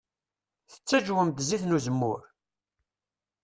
Tettaǧwem-d zzit n uzemmur?